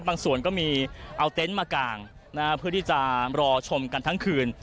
ก็มีเอาเต็นต์มากางเพื่อที่จะรอชมกันทั้งคืน